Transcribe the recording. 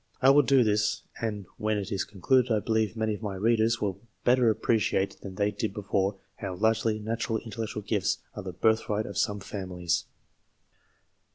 I will do this, and when it is concluded I believe many of my readers will better appreciate than they did before, how largely natural intellectual gifts are the birthright of some families.